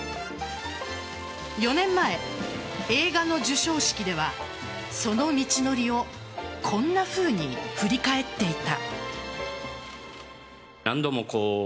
４年前、映画の授賞式ではその道のりをこんなふうに振り返っていた。